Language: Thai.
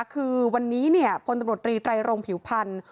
คือวันนี้พลตำรวจรีไตรรงผิวพันธ์